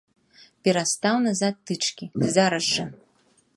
Перастаў назад тычкі, зараз жа!